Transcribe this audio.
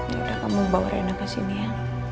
ya udah kamu bawa rena kesini ya